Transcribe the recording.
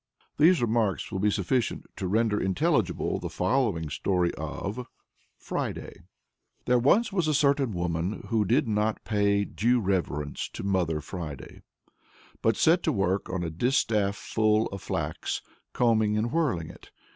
These remarks will be sufficient to render intelligible the following story of FRIDAY. There was once a certain woman who did not pay due reverence to Mother Friday, but set to work on a distaff ful of flax, combing and whirling it.